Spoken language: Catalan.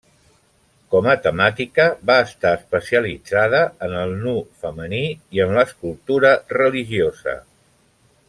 Com a temàtica, va estar especialitzada en el nu femení i en l'escultura religiosa.